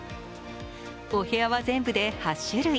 お部屋は全部で８種類。